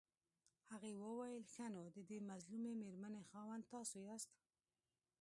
هغې وويل ښه نو ددې مظلومې مېرمنې خاوند تاسو ياست.